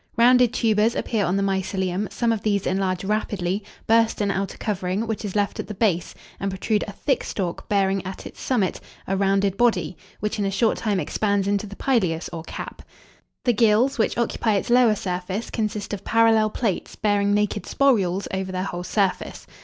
Rounded tubers appear on the mycelium; some of these enlarge rapidly, burst an outer covering, which is left at the base, and protrude a thick stalk, bearing at its summit a rounded body, which in a short time expands into the pileus or cap. The gills, which occupy its lower surface, consist of parallel plates, bearing naked sporules over their whole surface.